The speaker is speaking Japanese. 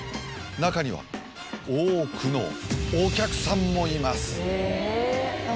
中には多くのお客さんもいます。